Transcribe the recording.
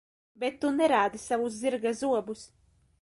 Bet tu nerādi savus zirga zobus.